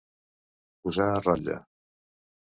Posar a rotlle.